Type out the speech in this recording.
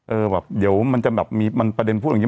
เดี๋ยวมันจะมีประเด็นพูดอย่างงี้